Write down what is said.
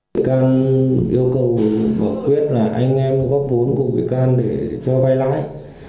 vị can yêu cầu bỏ quyết là anh em góp vốn của vị can để cho vai lãi